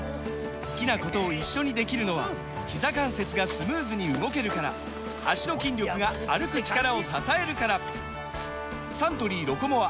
好きなことを一緒にできるのはひざ関節がスムーズに動けるから脚の筋力が歩く力を支えるからサントリー「ロコモア」！